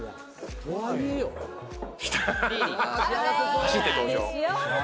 走って登場。